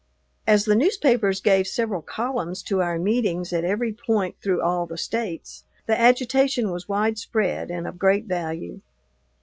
As the newspapers gave several columns to our meetings at every point through all the States, the agitation was widespread and of great value.